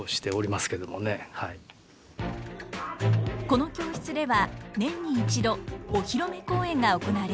この教室では年に一度お披露目公演が行われます。